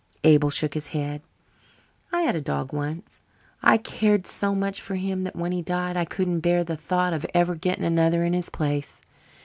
Abel shook his head. "I had a dog once. I cared so much for him that when he died I couldn't bear the thought of ever getting another in his place.